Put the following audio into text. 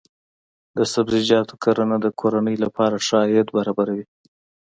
د سبزیجاتو کرنه د کورنۍ لپاره ښه عاید برابروي.